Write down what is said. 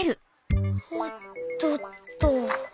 おっとっと。